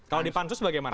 kalau di pansus bagaimana